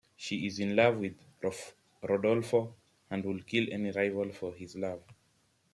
She is in love with Rodolfo, and would kill any rival for his love.